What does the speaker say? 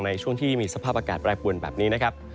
ในช่วงที่มีสภาพอากาศแปรปวนแบบนี้นะครับ